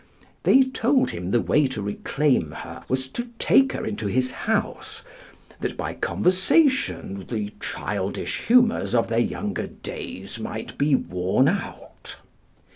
They told him the way to reclaim her was to take her into his house; that by conversation the childish humors of their younger days might be worn out.